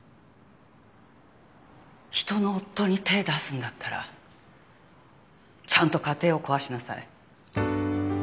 人の夫に手出すんだったらちゃんと家庭を壊しなさい。